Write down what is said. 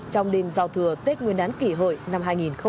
trong đêm giao thừa tết nguyên đán kỷ hợi năm hai nghìn một mươi chín